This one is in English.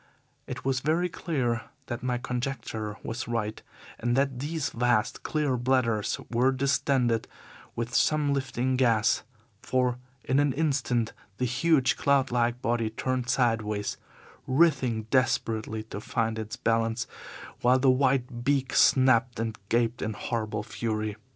It was very clear that my conjecture was right, and that these vast, clear bladders were distended with some lifting gas, for in an instant the huge, cloud like body turned sideways, writhing desperately to find its balance, while the white beak snapped and gaped in horrible fury.